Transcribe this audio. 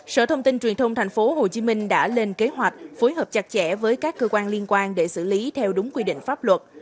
sở thông tin truyền thông tp hcm đã lên kế hoạch phối hợp chặt chẽ với các cơ quan liên quan để xử lý theo đúng quy định pháp luật